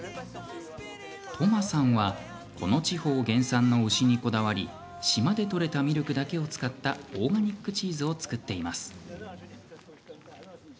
トマさんはこの地方原産の牛にこだわり島でとれたミルクだけを使ったオーガニックチーズを造っています。